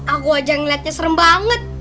aku aja yang liatnya serem banget